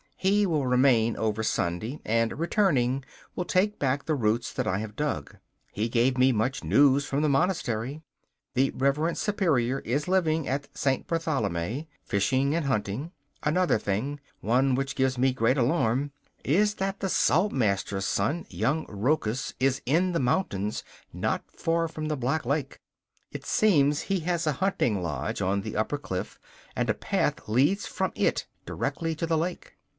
He will remain over Sunday, and, returning, will take back the roots that I have dug. He gave me much news from the monastery. The reverend Superior is living at Saint Bartholomæ, fishing and hunting. Another thing one which gives me great alarm is that the Saltmaster's son, young Rochus, is in the mountains not far from the Black Lake. It seems he has a hunting lodge on the upper cliff, and a path leads from it directly to the lake.